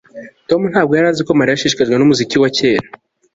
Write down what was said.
Tom ntabwo yari azi ko Mariya ashishikajwe numuziki wa kera